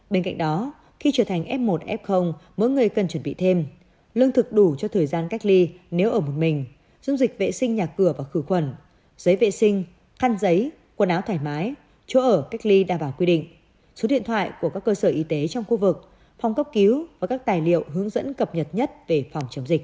bên cạnh đó khi trở thành f một f mỗi người cần chuẩn bị thêm lương thực đủ cho thời gian cách ly nếu ở một mình dung dịch vệ sinh nhà cửa và khử khuẩn giấy vệ sinh khăn giấy quần áo thoải mái chỗ ở cách ly đảm bảo quy định số điện thoại của các cơ sở y tế trong khu vực phòng cấp cứu và các tài liệu hướng dẫn cập nhật nhất về phòng chống dịch